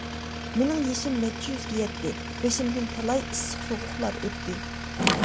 مىنىڭ يېشىم نەچچە يۈزگە يەتتى، بېشىمدىن تالاي ئىسسىق-سوغۇقلار ئۆتتى.